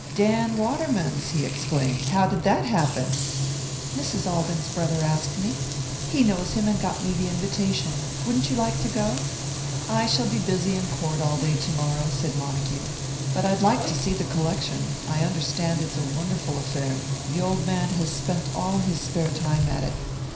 "Dan Waterman's!" he exclaimed. "How did that happen?" "Mrs. Alden's brother asked me. He knows him, and got me the invitation. Wouldn't you like to go?" "I shall be busy in court all day to morrow," said Montague. "But I'd like to see the collection. I understand it's a wonderful affair, the old man has spent all his spare time at it.